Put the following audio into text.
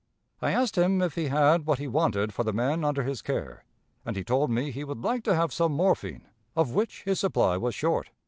I asked him if he had what he wanted for the men under his care, and he told me he would like to have some morphine, of which his supply was short.